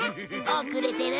遅れてる！